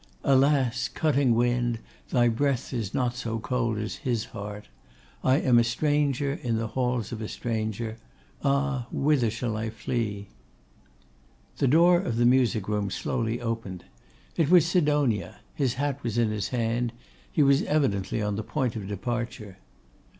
Alas! cutting wind, thy breath is not so cold as his heart! I am a stranger in the halls of a stranger! Ah! whither shall I flee?' The door of the music room slowly opened. It was Sidonia. His hat was in his hand; he was evidently on the point of departure.